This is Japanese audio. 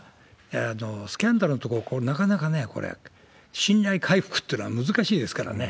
スキャンダルのところ、なかなかね、これ、信頼回復ってのは難しいですからね。